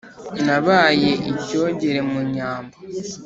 Nabaye icyogere mu nyambo,